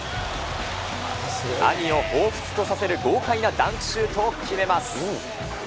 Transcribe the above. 兄をほうふつとさせる豪快なダンクシュートを決めます。